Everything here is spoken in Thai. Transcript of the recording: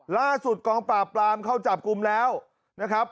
ล่าสุดกองปราบปรามเข้าจับกลุ่มแล้วนะครับ